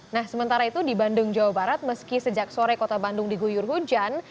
nah sementara itu di bandung jawa barat meski sejak sore kota bandung diguyur hujan